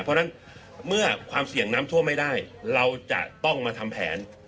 เพราะฉะนั้นเมื่อความเสี่ยงน้ำท่วมไม่ได้เราจะต้องมาทำแผน